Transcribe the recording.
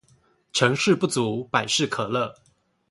成事不足百事可樂